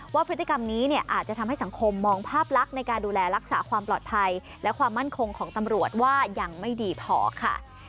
ว่าพฤติกรรมนี้เนี่ยอาจจะทำให้สังคมมองภาพลักษณ์ในการดูแลรักษาความปลอดภัยและความมั่นคงของตำรวจว่ายังไม่ดีพอค่ะ